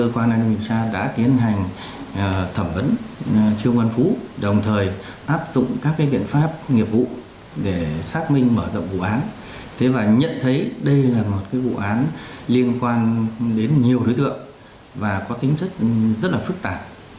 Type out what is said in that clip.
xác minh mở rộng vụ án thế và nhận thấy đây là một cái vụ án liên quan đến nhiều đối tượng và có tính chất rất là phức tạp